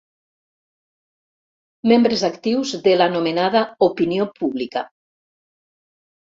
Membres actius de l'anomenada opinió pública.